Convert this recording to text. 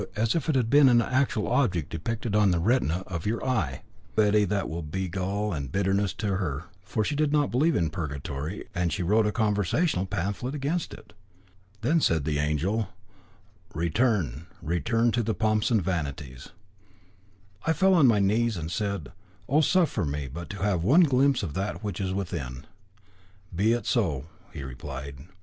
And oh, Betty, that will be gall and bitterness to her, for she did not believe in Purgatory, and she wrote a controversial pamphlet against it. Then said the angel: 'Return, return to the pomps and vanities.' I fell on my knees, and said: 'Oh, suffer me but to have one glimpse of that which is within!' 'Be it so,' he replied.